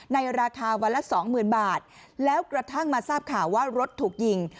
ในราคาวันละสองหมื่นบาทแล้วกระทั่งมาทราบข่าวว่ารถถูกยิง